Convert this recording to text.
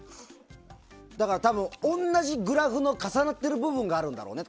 だから、同じグラフの重なってる部分があるんだろうね。